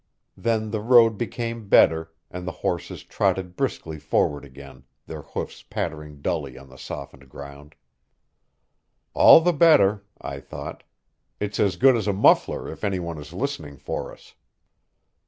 Then the road became better, and the horses trotted briskly forward again, their hoofs pattering dully on the softened ground. "All the better," I thought. "It's as good as a muffler if any one is listening for us."